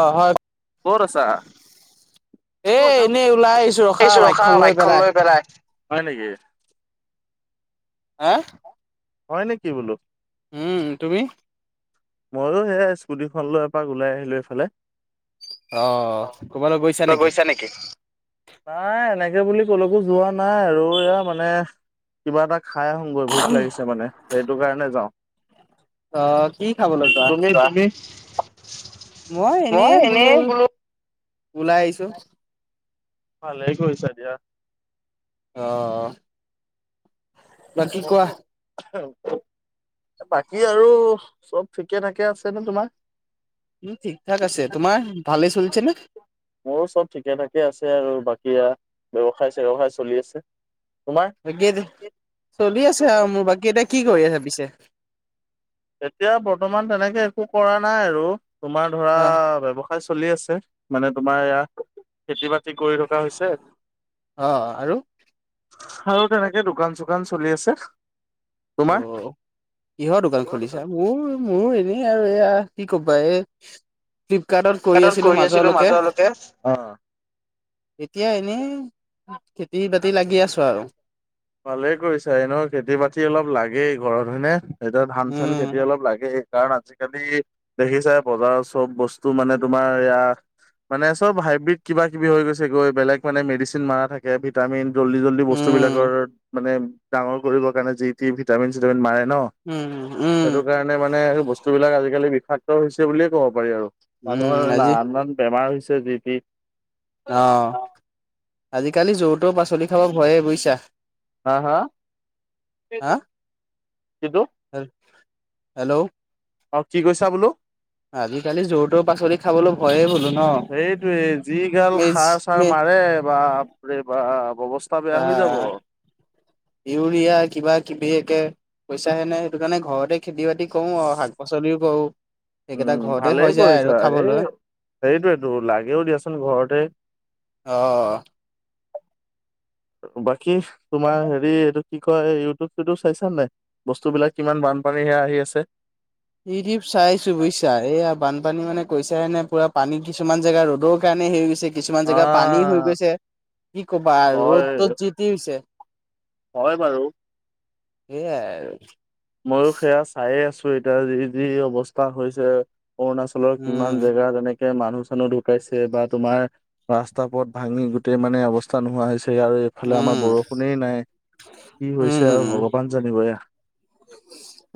অ হয় ব ৰছা এ এনেই ওলাই আহিছো এই চ ৰখা বাইকখন ভাই খ লৈ পেলাই হয় নেকি হা হয় নেকি বোলো উম তুমি ময়ো সেই স্কুটিখন লৈ এপাক ওলাই আহিলো এইফালে অ তই গৈছা নেকি নাই নেকে বুলি ক'লেকো যোৱা নাই আৰু এয়া মানে কিবা এটা খাই আহোঁগৈ ভোক লাগিছে মানে সেইটো কাৰণে যাওঁ অ কি খাবলৈ যোৱা তুমি তুি মই এনেই বোলো ওলাই আহিছো ভালেই কৰিছা দিয়া। অ বাকি কোৱা বাকী আৰু চব ঠিকে থাকে আছে নে তোমাৰ উম ঠিকঠাক আছে তোমাৰ ভালেই চলছে না মোৰো চব ঠিকে ঠাকে আছে আৰু বাকি ব্য্ৱসায় চৱসায় চলি আছে তোমাৰ? বাকী এতি চলি আছে আৰু মোৰ বাকী এতিয়া কি কৰি আছে পিছে? এতিয়া বৰ্তমান তেনেকে একো কৰা নাই আৰু তোমাৰ ধৰা অ ব্যৱস াই চলি আছে মানে তোমাৰ ই খেতি বা কৰি থকা হৈছে অ আৰু আৰু তেনেকে দোকান চোকান চলি আছে অ তোমাৰ? ইহৰ দোকান খুলিছা মোৰ মোৰ এনেই এয়া কি কবা এ ফ্লিপকাৰ্টত কৰি আছিলো মাজলৈকে এতিয়া এনেই খেতি বাতি লাগি আছো আৰু ভালে কৰিৈছা এ ন খেতি বাতি অলপ লাগেই ঘৰত হয়নে এতিয়া ধান চান উম খেতি অলপ লাগে কাৰণ আজিকালি দেখিছাই বজাৰত চব বস্তু মানে তোমাৰ ইয়য়া মানে চব হাইব্ৰীড কিবা কিবি হৈ গৈছে গৈ বেলেগ মানে মেডিচিন মাৰা থাকে ভিটামিন জল্দি জল্দি বস্তু উম বিিলাকৰ মানে ডাঙৰ কৰিবৰ কাৰণে যি টি ভিটামিন চিটামিন মাৰে ন উম, উম, সেইটো কাৰণে মানে বস্তুবিলাক আজিকালি বিষাক্ত হৈছে বুলিয়ে ক'ব পাৰি আৰু উম, মানুহৰ আজি আন আন বেমাৰ হৈছে যিটি অ আজিকালি যৌ তও পাচলি খাব ভয়ে বুজিছা হা হাু হা হেল্ল' অ কি কৈছা বোলো আজিকালি যৌ ত পাচলি খাবলৈ ভয়ে বোলো ন মেজ পাৰে বাপৰে বাপ। অৱস্থা বেয়া অ, হৈ যাব। ইউৰিয়া কিবা কিবি তাকে পইচাাহে নে সেইটো কাৰণে ঘৰতে খেতি বাতি কৰো আৰু শাক পাচলিও কৰো। উম, ভালেই কৰিছ এ হেৰিটোটো লাগেও দিয়াচোন ঘৰতে। অহ ', বাকী তোমাৰ হেৰি এইটো কি কয় ইউটিউব চউটিউব চাইছা নাই বস্তুবলাক কিমান বান বানপানীহে আহি আছে। হৰিপ চাইছো বুইছা এয়া বানপানী মানে কৈছে পুৰা পানী কিছুমান জেগা ৰ'দৰ কাৰণে হেৰি গৈছে। কিছুমান জেগা পানী হৈ আহ গৈছে কি কবা হয় ৰ'দ তত জিতি হৈছে। হয় বাৰু। সেয়াই আৰু। ময়ো সেয়া চায়ে আছো এতিয়া যি - যি অৱস্থা হৈছে অৰুণাচলৰ কিমান উম, জেগা তেনেকে মানুহ চানুহ ঢুকাইছে বা তোমাৰ ৰাস্তা পথ ভাঙি গোটেই মানে অৱস্থা নোহোৱা হৈছে। আৰু এইফালে আমাৰ উম, বৰষুনেই নাই কি উম, হৈছে আৰু উম ভগৱান জানিব এয়া।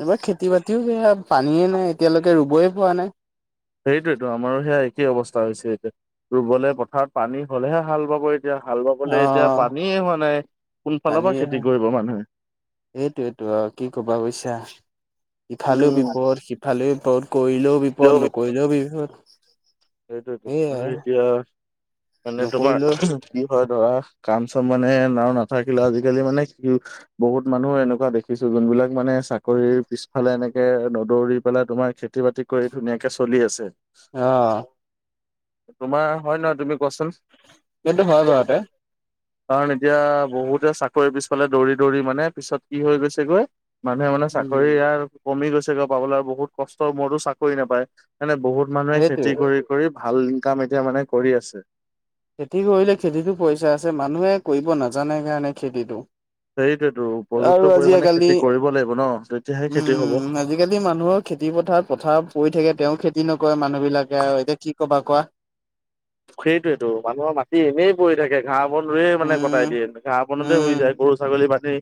এইবাৰ খেতি বাতিও বেয়া পানীয়ে নাই এতিয়ালৈকে ৰুবই পোৱা নাই। সেইটোয়টো আমাৰো সেয়া একেই অৱস্থা হৈছে এতিয়া ৰুবলৈ পথাৰত পানী হলেহে হাল ব কৰি এতিয়া হাল ব গলে এতিয়া অ', পানীয়ে হোৱা নাই কোনফালৰ পৰা খেতি কৰিব মানুহে। এইটোয়টো অ, কি ক'বা বৈছা। সিফালেও উম বিপদ সিফালেও বিপদ কৰিলেও বিপদ নকৰিলেও বিপদ। সেইটোতো সেয়াই আৰু এতিয়া মানে তোমাৰ নকৰিলেও কি হয় ধৰা কাম চম মানে ন নাথাকিলে আজিকালি মানে কি বহুত মানুহে এনেকুৱা দেখিছো যোনবিলাক মানে চাকৰি পিছফালে এনেকে নদৌৰি পেলাই তোমাৰ খেতি বাতি কৰি ধুনীয়াকে চলি আছে। অ', তোমাৰ হয় নহয় তুমি কোৱাছোন। এটো ভাৱ মতে। কাৰণ এতিয়া বহুতে চাকৰি পিছফালে দৌৰি দৌৰি মানে পিছত কি হৈ গৈছেগৈ। মানুহে মানে উম, চাকৰি ই কমি গৈছেগৈ পাবলৈ আৰু বহুত কষ্ট মোৰো চাকৰি নাপায়। মানে বহুত মানুহ আছে। সেইটোৱে। কৰি ভাল ইনকাম এতিয়া মানে কৰি আছে। খেতি কৰিলে খেতিতো পইচা আছে মানুহে কৰিব নাজানে কাৰণে খেতিটো সেইটোৱেতো উপযুক্ত আৰু পৰিমাণে আজিকালি খেতি কৰিব লাগিব ন তেতিয়াহে খেতি হব উম, আজিকালি মানুহৰ খেতি পথাৰ পথাৰত পৰি থাকে তেও খেতি নকৰে মানুহ বিলাকে আৰু এতিয়া কি কবা কোৱা। সেইটোৱটো মানুহৰ মাটি এনেই পৰি থাকে। ঘাহ বন হোৱে মানে উম, কটাই দিয়ে ঘাহ বনতে উম, শুই যায় গৰু ছাগলী বান্ধি।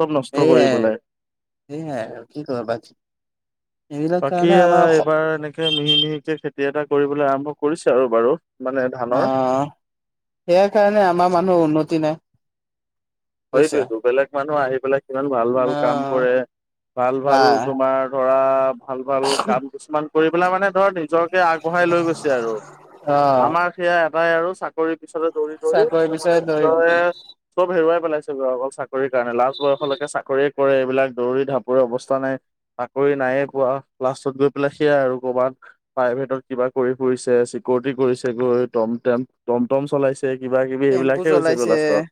চব নষ্ট কৰি সেয়াই পেলাই। সেয়াই আৰু কি কৰিবা বাকী বাকী এইবাৰ এনেকে মিহি মিহিকে খেতি এটা কৰিবলৈ আৰম্ভ কৰিছে আৰু বাৰু। মানে অ, ধানৰ সেইয় কাৰণে আমাৰ মানুহ উন্নতি নাই। বুজিছা। সটোয়েতো বেলেগ মানুহ আহি পেলাই সমান ভাল - ভাল কাম অ', কৰে ভাল - বা ভাল তোমাৰ ধৰা ভাল - ভাল কাম কিছুমান কৰিব পেলাই মানে ধৰা দ নিজৰকে আগবঢ়াই লৈ গৈছে আৰু অ', আমাৰ সেয়া এটাই আৰু চাকৰি পিছতে দৌৰি - দৌৰি চাকৰি পিছত মানে ধৰি নিজৰে চব হেৰুৱাই। অকল চাকৰি কাৰণে লাষ্ট বয়সলৈকে চাকৰি কৰে এইবিলাক দৌৰি ঢাপৰি অৱস্থা নাই চাকৰি নাই। ন কোৱা লাষ্টত গ প সয়াই আৰু প্ৰাই কিবা কৰি ফু চৰি। গৈ টম- টম - টম - টম চলাইছে কিবা কিবি টেম্পু এইবিলাকে হৈছে গৈ লাষ্টত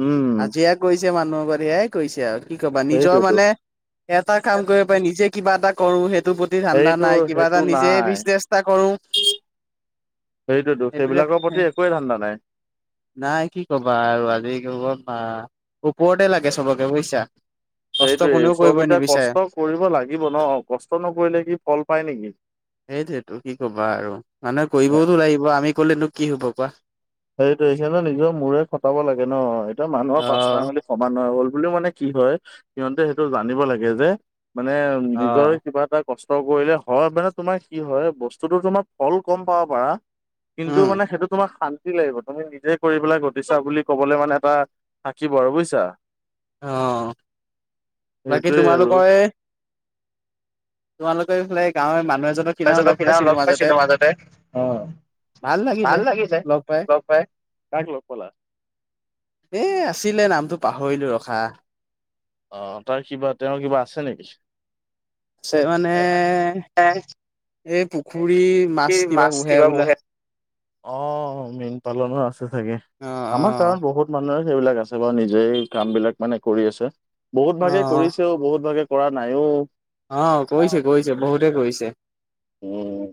উম, কৈছে মানুহৰ ব সয়াই কৈছে আৰু কি কবা নিজৰ সেইটোৱেতো মানে এটা কাম কৰিব পাই নিজে কিবা এটা কৰো। ঠাণ্ডা সেইটো নাই কিবা সেইটো এটা নিজে বি নাই চেষ্টা কৰো। হেৰিটোতো এইবিলাক সেইবিলাকৰ প্ৰতি একোৱেই ধান্দা নাই। নাই কি কবা আৰু আজি ওপৰতে লাগে চবকে বইছা। সেইটোৱে চবকেইতিয়া কষ্ট কৰিব লাগিব ন কষ্ট নকৰিলে কি ফল পায় নেকি। সেইটোতটো কি কবা আৰু মানে এ কৰিবওতো লাগিব আমি কলে তোক কি হব কোৱা। সেইটো এইকাৰণে নিজৰ মূৰে খটাব লাগে ন এতিয়া মানুহৰ পাঁচটা অ', আঙুলি সমান হৈ গ'ল। বুলিও মানে কি হয় সিহতে সেইটো জানিব লাগে যে মানে নিজৰ অ', কিবা এটা। কষ্ট কৰিলে হয় মানে তোমাৰ কি হয় বস্তুতো তোমাৰ ফল কম পাব পাৰা। কিন্তু উম, মানে সেইটো তোমাক খান। লাগিব তুমি নিজে কৰি পেলাই ঘটিছা বুলি ক'বলৈ মানে এটা থাকিব আৰু বুজিছা। অ বাকী সেইটোৱে আৰু তোমালোকৰ। তোমালোকে এইফালে গাঁৱৰ মানুহ এজনৰ কিনা লগ পাইছিলো মাজতে। অ ভাল লাগিলে লগ পাই। কাক লগ পালা এ আছিলে নামটো পাহৰিলো ৰখা। অ' তাৰ কিবা তেওঁৰ কিবা আছে নেকি আছে মানে। এই পুখুৰী মাছ কিবা পোহে বোলে। অ' মীন পালনো আছে চাগে অ', আমাৰ অ', কাৰণত বহুত মানুহ সেইবিলাক আছে বা নিজে কাম বিলাক মানে কৰি আছে বহুত ভাগে অ', কৰিছেও বহুত ভাগে। কৰা নাই অ' অ' কৈছে কৈছে বহুতে কৈছে উম।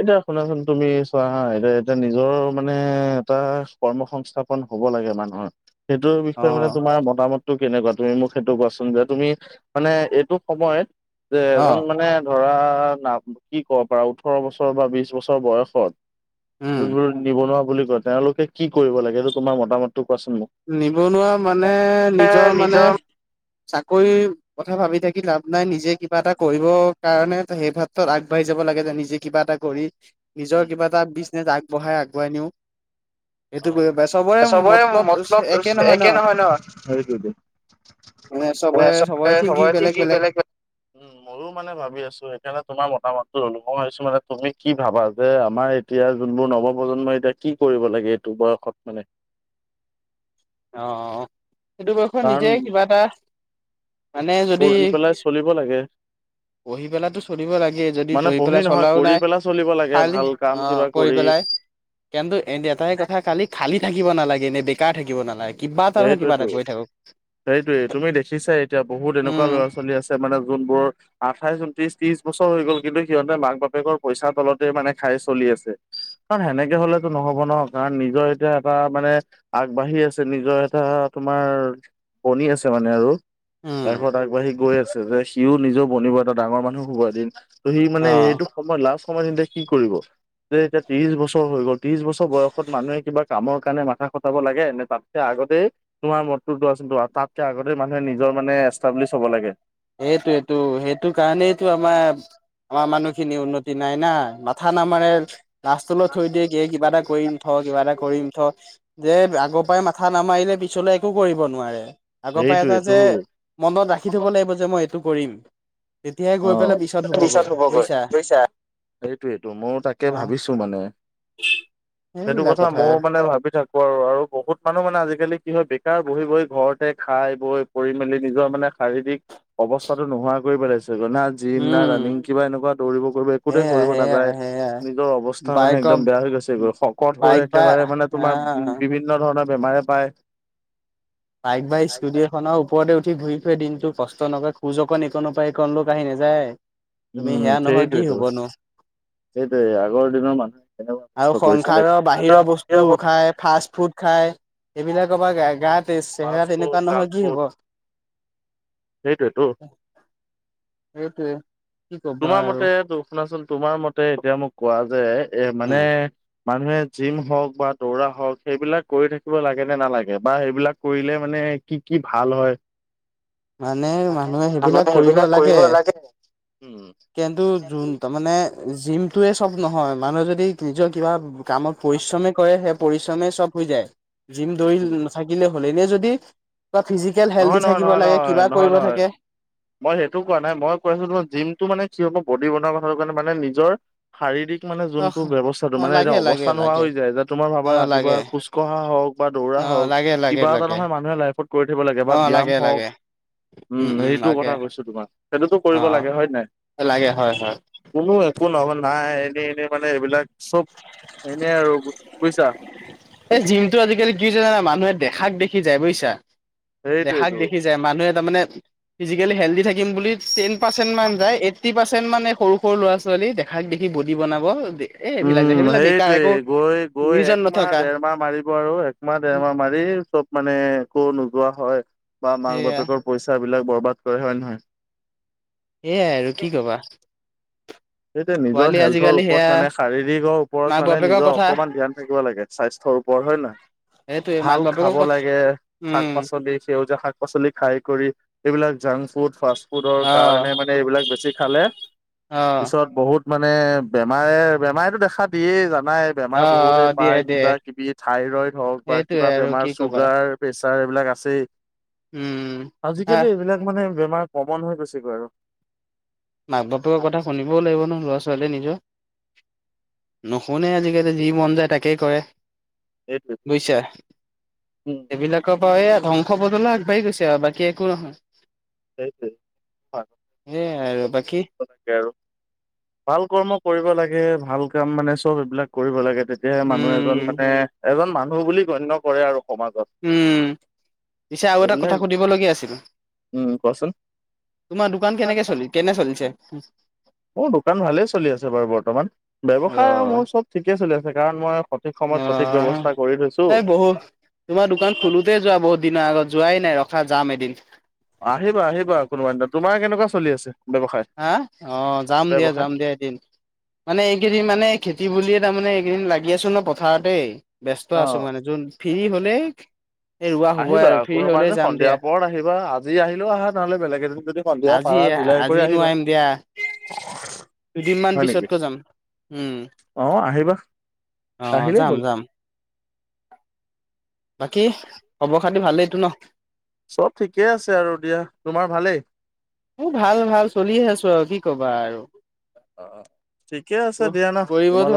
এতিয়া শুনাচোন তুমি চোৱাা এতিয়া এতিয়া নিজৰ মানে এটা কৰ্মসংস্থাপন হব লাগে মানুহৰ সেইটোৰ বিষয়ে মানে অ', তোমাৰ মতামত। টো কেনেকুৱা তুমি মোক সেইটো কোৱাচোন যে তুমি মানে এইটো সময়ত যে এজন অ', মানে। ধৰা নাম কি কব পাৰা ওঠৰ বছৰ বা বিশ বছৰ বয়সত। উম, যোনবোৰ নিবনুৱা বুলি কয় তেওঁলোকে কি কৰিব লাগে এইটো তোমাৰ মতামত। নিবনুৱা মানে নিজৰ মানে চাকৰি কথা ভাবি থাকি। লাভ নাই নিজে কিবা এটা কৰিব। কাৰণে সেই ভাত্ৰত আগবাঢ়ি যাব লাগে যে নিজে কিবা এটা কৰি। নিজৰ উম কিবা এটা বিজনেচ আগবঢ়াই আগুৱাই নিও অ চবৰে মতলব একে নহয় ন হেৰি যদি। মানে চবৰে চবৰে থিংকিং বৰে কি বেলেগ উ ময়ো মানে ভাবি আছো সেইকাৰণে তোমাৰ। মতামত টো ললো মানে তুমি কি ভাবা যে আমাৰ এতিয়া যোনবোৰ নৱপ্ৰজন্ম এতিয়া কি কৰিব লাগে। এইটোবয়সত মানে। অ 'সেইটো বয়সত কাৰণ নিজে কিবা এটা মানে যদি পঢ়ি পেলাই চলিব লাগে পঢ়ি পেলাই টো চলিব লাগে যদি মানে পঢ়ি পেলাই নহয় চলাও কৰি নাই পেলাই চলিব লাগে খালি ভাল কাম অ কিবা কৰি পেলাই কিন্তু এ এটাই কথা খালি খালী থাকিব নালাগে। এনে বেকাৰ থাকিব নালাগ কিবা এটা নহয় কিবা সেইটোৱেতো এটা কৰি থাকক। সেইটোয়ে তুমি দেখিছা এতিয়া বহুত এনেকুৱা উম ল'ৰা ছোৱালী আছে মানে যোনবোৰ। আঠাইশ ঊনত্ৰিশ ত্ৰিশ বছৰ হৈ গ'ল কিন্তু সিহঁতে মাক বাপেকৰ পইচাৰ তলতে মানে খাই চলি আছে। কাৰণ সেনেকে হলেতো নহব ন কাৰণ নিজৰ এতিয়া এটা মানে আগবাঢ়ি আছে নি। নিজৰ এটা তোমাৰ বনি আছে মানে আৰু উম লাইফত আগবাঢ়ি গৈ আছে যে সিও নিজেও বনিব এটা ডাঙৰ মানুহে শুব এদিন ত সি মানে অ এইটো সময়ত লাষ্ট সময়ত তেয়া কি কৰিব যে এতিয়া ত্ৰিশ বছৰ হৈ গ'ল ত্ৰিশ বছৰ বয়সত মানুহে কিবা কামৰ কাৰণে মাথা কটাব লাগে নে তাত। আগতেই তোমাৰ মদতটো দোৱাচোন তাতকে আগতেই মানুহে নিজৰ মানে এষ্টাব্লিছ হ'ব লাগে। সেইটো এইটো সেইটো কাৰণেটো আমাৰ আমাৰ মানুহখিনি উন্নতি নাই না মাথা নামাৰে। লাষ্টলৈ থৈ দিয়ে কি কিবা এটা কৰিম থ কিবা এটা কৰিম থ যে আগৰ পৰাই মাথা নামাৰিলে পিছলৈ একো কৰিব নোৱাৰে। আগৰ পৰা এটা সেইটোৱেটো যে মনত ৰাখি থব লাগিব যে মই এইটো কৰিম তেতিয়াই অ গৈ পেলাই পিছত টি হবগৈ চাৰট হব কৰি বুজিছা তুইছা সেইটোয়েইটো ময় তাকে অ ভাবিছো মানে সেইটো কথা ময় মানে ভাবি থাকো আৰু আৰু বহুত মানুহ মানে আজিকালি কি হয় বেকাৰ বহি বহি ঘৰতে খাই বৈ পৰি মেলি নিজৰ মানে শাৰীৰিক অৱস্থাতটো নোহোৱা কৰি পেলাইছে না জিম না উম ৰাণিং কিবা এনেকুৱা দৌৰিব কৰিব একোট সেয়াই কৰিব নাযায় সেয়াই সেয়াই নিজৰ অৱস্থা মানে বাইকৰ একদম বেয়া হৈ গৈছে শকত হৈ বাইক বা একেবাৰে মানে তোমাৰ উ আহ বিভিন্ন ধৰণৰ বেমাৰে পায় বাইক বা স্কুটি এখনৰ ওপৰতে উঠি ঘূৰি ফুৰে দিনটো কষ্ট নকৰে, খোজ অকন এইকনৰ পৰা সেইকনলৈও খোজ কাঢ়ি নাযায়। তুমি, উম সেয়া নহয় কি সেইটোৱেতো হ'বনো? সেইটোৱে আগৰ দিনৰ মানুহে কেনেকুৱা আৰু কষ্ট কৰিছিলে। সংসাৰৰ বাহিৰৰ বস্তু খাই, ফাষ্ট ফুড খাই এইবিলাকৰ বা গ গাতে চেহেৰা ফাষ্ট ফুড এনেকুৱা নহৈ জাংক কি ফুড হব। সেইটোৱেতো। সেইটোৱে। কি ক'বা তোমাৰ আৰু মতে তো শুনা চোন, তোমাৰ মতে এতিয়া মোক কোৱা যে এ উম মানে মানুহে জিম হওক বা দৌৰা হওক সেইবিলাক কৰি থাকিব লাগে নে নালাগে বা সেইবিলাক কৰিলে মানে কি কি ভাল হয়? মানে মানুহে সেইবিলাক কৰিব লাগে, কিন্তু জুন তাৰ মানে জিমটোয়ে চব নহয়। মানুহে যদি নিজৰ কিবা কামত পৰিশ্ৰমে কৰে সেই পৰিশ্ৰমেই চব হৈ যায়। জিম দৌৰি নাথাকিলে হ'ল যদি কিবা ফিজিকেল হেলডি নহয় নহয় থাকিব নহয় লাগে, কিবা নহয় নহয় কৰিব নহয় থাকে মই সেইটো কোৱা নাই। মই কৈছো তোমাৰ জিমটো মানে কি হ'ব বডি বনোৱাৰ কথাটো কাৰণে মানে নিজৰ শাৰীৰিক মানে অহ যোনটো ব্যৱস্থাটো, অ' মানে এতিয়া লাগে লাগে অৱস্থা নোহোৱা লাগে হৈ যায়। যে তোমাৰ ভাবা অ' ৰাতিপুৱা লাগে খোজ কঢ়া হওক বা দৌৰা অ' হওক, লাগে লাগে কিবা এটা লাগে নহয় মানুহে লাইফত কৰি থাকিব লাগে বা অ' ব্যায়াম লাগে হওক লাগে উম। এই টো কথা কৈছো তোমাক। সেইটোতো কৰিব অ' লাগে হয় নে নাই? অ লাগে হয় হয় কোনো কোনহ'ব নাই এনে এনে মানে এইবিলাক চব এনেই আৰু বুজিছা। এই জিমটো আজিকালি কি হৈছে জানা, মানুহে দেখাক দেখি যায়। বুজিছা। দেখাক সেইটোৱেইটো। দেখি যায়, মানুহে তাৰ মানে ফিজিকেলি হেল্ডি থাকিম বুলি পাৰ্চেন্ট মান যায়, এইত্ৰি পাৰ্চেট মানে সৰু সৰু ল'ৰা ছোৱালী দেখাক দেখি বডি বনাব এ এইবিলাক যে, উম, সেইবিলাক বেকাৰ। সেইটোৱে একো গৈ গৈ নিজৰ নথকা। দেৰমাহ একমাহ মাৰিব আৰু, একমাহ দেৰমাহ মাৰি চব মানে একো নোযোৱা হয়। বা মাক সেয়া বাপেকৰ পইচাবিলাক বৰবাদ কৰে, হয় নে নহয়? এয়াই আৰু, কি ক'বা? সেইটোয়েই নিজৰ পোৱালি হেল্থৰ আজিকালি সেয়া ওপৰত মানে শাৰীৰিকৰ মাক ওপৰত মানে বাপেকৰ নিজৰ কথা অকমান ধ্যান থাকিব লাগে। স্বাস্থ্যৰ ওপ [unintelligible] হয় নাই? সেইটোৱে মাক ভাল বাপেকৰ খাব কথা লাগে, উম শাক-পাচলি সেউজীয়া শাক-পাচলি খাই কৰি, এইবিলাক জাং ফুড, ফাষ্ট ফুডৰ অ' কাৰণে মানে এইবিলাক বেছি খালে অ', পিছত বহুত মানে বেমাৰে, বেমাৰেতো দেখা দিয়েই জান নাই বেমাৰ বহুতে অ', অ', দিয়ে পায়, দিয়ে কিবা কিবি থাইৰইড হওক বা সেইটোয়ে কিবা আৰু বেমাৰ কি কবা চুগাৰ ছাৰ এইবিলাক আছেই। উম। আজিকালি আহ এইবিলাক মানে বেমাৰ কমন হৈ গৈছেগৈ আৰু। মাক বাপেকৰ কথা শুনিবও লাগিব ন ল'ৰা ছোৱালীয়ে নিজৰ। নুশুনে আজিকালি, যি মন যায় তাকেই কৰে। এইটোৱে বুজিছা উম এইবিলাকক অ এইয়া ধ্বংস পথলৈ আগবাঢ়ি গৈছে আৰু, বাকী একো নহয়। সেইটোৱেই, হয়। সেয়াই আৰু বাকী [unintelligible] আৰু। ভাল কৰ্ম কৰিব লাগে, ভাল কাম মানে চব এইবিলাক কৰিব লাগে, তেতিয়াহে মানুহ এজন উম মানে এজন মানুহ বুলি গণ্য কৰে আৰু। সমাজত উম, পিছে আৰু এটা এইবিলাক কথা সুধিবলগীয়া আছিল। উম, কোৱাচোন? তোমাৰ দোকান কেনেকে চলি কেনে চলিছে? মোৰ দোকান ভালেই চলি আছে বাৰু বৰ্তমান। ব্যৱসায় আৰু অ', মোৰ চব ঠিকে চলি আছে কাৰণ মই সঠিক সময়ত সঠিক অ', ব্যৱস্থা কৰি থ এই বহুত, তোমাৰ দোকান খোলোতেই যোৱা বহুত দিনৰ আগত যোৱাই নাই, ৰখা যাম এদিন। আহিবা আহিবা কোনোবা দিনা। তোমাৰ কেনেকুৱা চলি আছে? ব্যৱসায় হা? অ', যাম দিয়া, ব্যৱসায়? যাম দিয়া এদিন। মানে এইকেইদিন মানে খেতি বুলিয়েই তাৰমানে এইকেইদিন লাগি আছো নহ পথাৰতেই, ব্যস্ত অ আছো মানে। যোন ফ্ৰী হলেই এই ৰোৱা হ'বই আহিবা আৰু ফ্ৰী কোনোবা হ'লে এদিন যাম সন্ধিয়া দিয়া। পৰত আহিবা। আজি আহিলেও আহা তালে। বেলেগ এদিন যদি সন্ধিয়া আজি পাৰা আজি মিলাই আহিবা। নোৱাৰিম দিয়া দুদিনমান হয় নেকি পিছতকৈ যাম। উম অ আহিবা অ আহিলেই যাম হ'ল যাম বাকী খবৰ খাতি ভালেই এইটো ন। চব ঠিকে আছে আৰু দিয়া তোমাৰ ভালেই উ ভাল ভাল চলি আছো আৰু কি কবা আৰু অ ঠিকে আছে দিয়া ন তোমাল কৰিবতো